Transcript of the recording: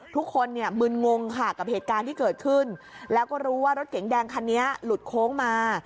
ทุกคนเนี่ยมึนงงค่ะกับเหตุการณ์ที่เกิดขึ้นแล้วก็รู้ว่ารถเก๋งแดงคันนี้หลุดโค้งมา